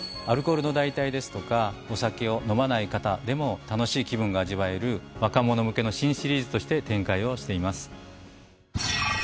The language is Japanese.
アルコールの代替ですとかお酒を飲まない方でも楽しい気分が味わえる若者向けの新シリーズとして展開をしています。